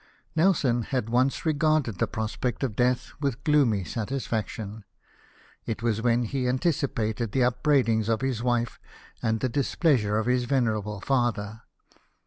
Nelson had once regarded the prospect of death with gloomy satisfaction ; it was when he anticipated the upbraidings of his wife and the displeasure of his venerable father.